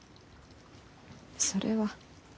それは。